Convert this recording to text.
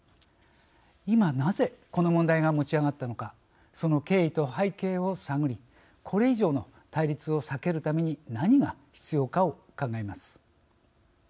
今なぜこの問題が持ち上がったのかその経緯と背景を探りこれ以上の対立を避けるために何が必要かを考えます。